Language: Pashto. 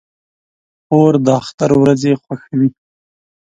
خور د اختر ورځې خوښوي.